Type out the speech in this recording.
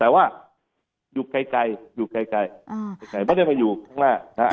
แต่ว่าอยู่ไกลไม่ได้มาอยู่ตรงหน้า